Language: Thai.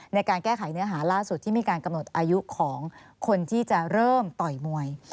ในการแก้ไขเนื้อหาล่าสุดที่มีการกำหนดอายุของคนที่จะเริ่มต่อยมวย